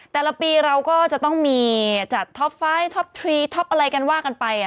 แต่ละปีเราก็จะต้องมีจัดท็อปไฟต์ท็อปทรีท็อปอะไรกันว่ากันไป